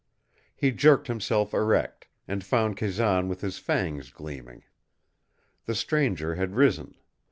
He jerked himself erect, and found Kazan with his fangs gleaming. The stranger had risen.